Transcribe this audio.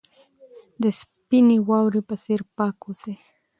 د سپینې واورې په څېر پاک اوسئ.